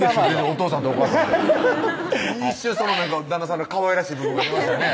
お父さんとお母さん一瞬旦那さんのかわいらしい部分が見えましたね